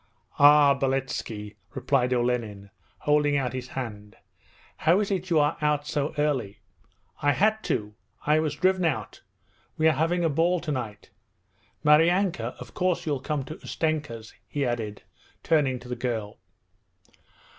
'Ah, Beletski,' replied Olenin, holding out his hand. 'How is it you are out so early?' 'I had to. I was driven out; we are having a ball tonight. Maryanka, of course you'll come to Ustenka's?' he added, turning to the girl.